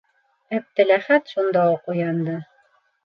- Әптеләхәт шундуҡ уянды.